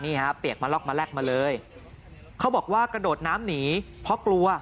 นี่ฮะเปียกมาล็อกมาแลกมาเลยเขาบอกว่ากระโดดน้ำหนีเพราะกลัว